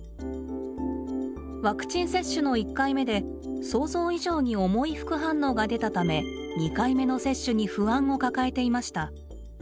ワクチン接種の１回目で想像以上に重い副反応が出たため２回目の接種に不安を抱えていました。